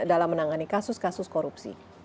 dalam menangani kasus kasus korupsi